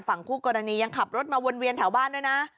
คู่กรณียังขับรถมาวนเวียนแถวบ้านด้วยนะ